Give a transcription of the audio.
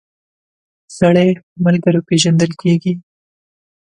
سړی په ملګرو پيژندل کیږی